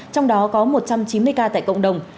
trong đó có một trăm chín mươi ca tại cộng đồng